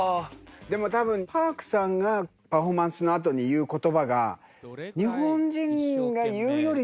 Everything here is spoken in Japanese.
でも多分Ｐａｒｋさんがパフォーマンスの後に言う言葉が。